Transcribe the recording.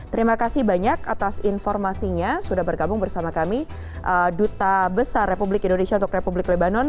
terima kasih banyak atas informasinya sudah bergabung bersama kami duta besar republik indonesia untuk republik lebanon